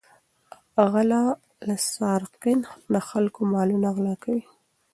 غله او سارقین د خلکو مالونه غلا کوي.